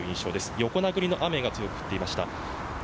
横殴りの雨が続いていました。